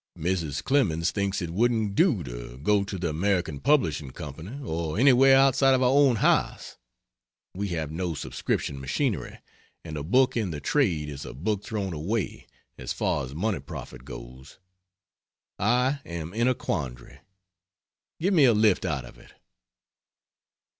Mrs. Clemens thinks it wouldn't do to go to the Am. Pub. Co. or anywhere outside of our own house; we have no subscription machinery, and a book in the trade is a book thrown away, as far as money profit goes. I am in a quandary. Give me a lift out of it.